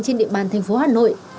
trên địa bàn thành phố hà nội